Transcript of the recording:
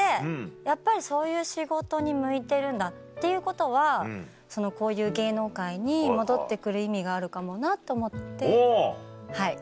やっぱりそういう仕事に向いてるんだっていうことはこういう芸能界に戻って来る意味があるかもなと思ってはい。